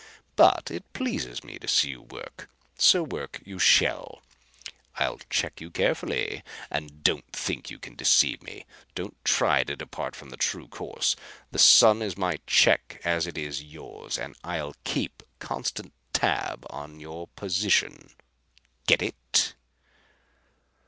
But it pleases me to see you work, so work you shall. I'll check you carefully, and don't think you can deceive me. Don't try to depart from the true course. The sun is my check as it is yours, and I'll keep constant tab on our position. Get it?"